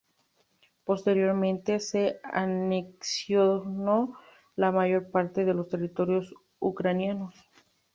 Posteriormente se anexionó la mayor parte de los territorios ucranianos.